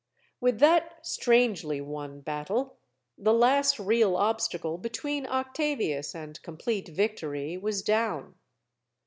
With that strangely won battle, the last real ob stacle between Octavius and complete victory was down.